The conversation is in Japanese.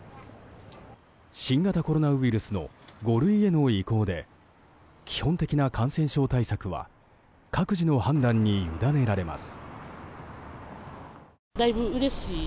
新型コロナウイルスの５類への移行で基本的な感染症対策は各自の判断に委ねられます。